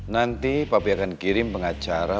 nanti publik akan kirim pengacara